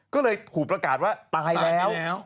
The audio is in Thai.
ก็เลยถูกประกาศว่าตายแล้ว